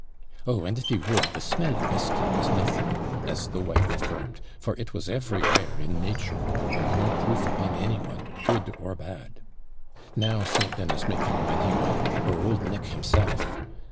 'Oh, and if he would, the smell of whisky was nothing,' as the wife affirmed, 'for it was everywhere in nature, and no proof again' any one, good or bad.' 'Now St. Dennis may come when he will, or old Nick himself!'